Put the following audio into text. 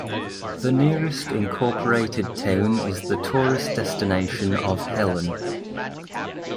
The nearest incorporated town is the tourist destination of Helen.